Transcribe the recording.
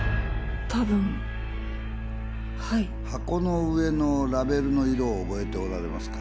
多分はい箱の上のラベルの色を覚えておられますか？